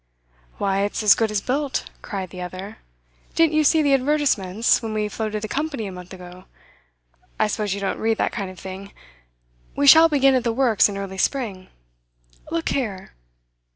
'Why, it's as good as built!' cried the other. 'Didn't you see the advertisements, when we floated the company a month ago? I suppose you don't read that kind of thing. We shall begin at the works in early spring. Look here!